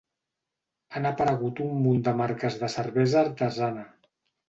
Han aparegut un munt de marques de cervesa artesana.